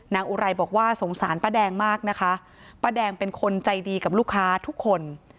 อุไรบอกว่าสงสารป้าแดงมากนะคะป้าแดงเป็นคนใจดีกับลูกค้าทุกคน